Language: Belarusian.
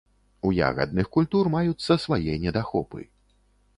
У ягадных культур маюцца свае недахопы.